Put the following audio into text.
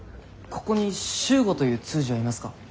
ここに周吾という通詞はいますか？